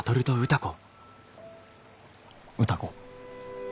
歌子。